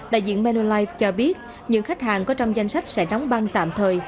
đại diện manulife cho biết những khách hàng có trong danh sách sẽ đóng băng tạm thời